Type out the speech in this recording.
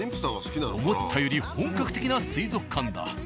思ったより本格的な水族館だ。